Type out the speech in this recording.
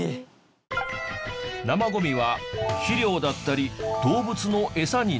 生ゴミは肥料だったり動物のエサになる。